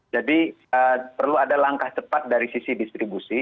jadi perlu ada langkah cepat dari sisi distribusi